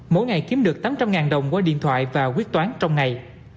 mỗi ngày kiếm được tám trăm linh đồng qua điện thoại và quyết toán trong ngày